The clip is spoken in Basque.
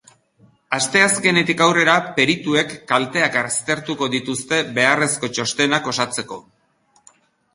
Asteazkenetik aurrera perituek kalteak aztertuko dituzte beharrezko txostenak osatzeko.